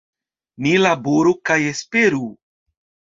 Ni laboru kaj esperu.